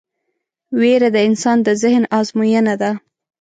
وېره د انسان د ذهن ازموینه ده.